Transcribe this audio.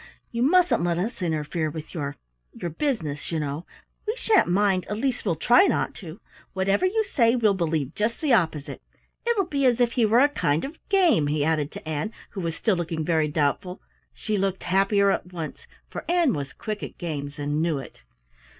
"You mustn't let us interfere with your your business, you know. We sha'n't mind, at least we'll try not to. Whatever you say we'll believe just the opposite. It'll be as if he were a kind of game," he added to Ann who was still looking very doubtful. She looked happier at once, for Ann was quick at games and knew it.